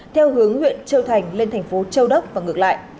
theo hướng huyện châu thành lên thành phố châu đốc và ngược lại